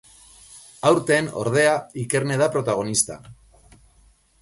Aurten, ordea, Ikerne da protagonista.